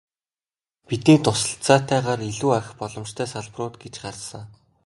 Бидний туслалцаатайгаар илүү ахих боломжтой салбарууд гэж харсан.